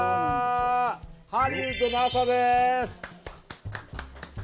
ハリウッドの朝です！